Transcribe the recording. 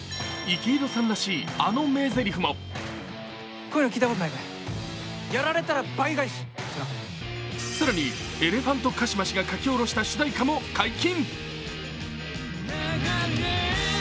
池井戸さんらしい、あの名ぜりふも更にエレファントカシマシが書きおろした主題歌も解禁。